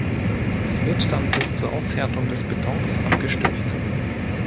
Es wird dann bis zur Aushärtung des Betons abgestützt.